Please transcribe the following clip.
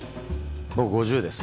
僕５０歳です。